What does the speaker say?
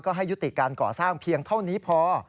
ให้ยุติการก่อสร้างเพียงเท่านี้พอ